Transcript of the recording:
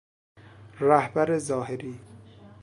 رهبر ظاهری